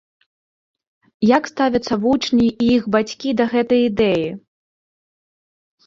Як ставяцца вучні і іх бацькі да гэтай ідэі?